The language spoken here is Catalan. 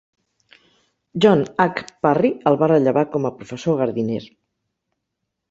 John H. Parry el va rellevar com a professor Gardiner.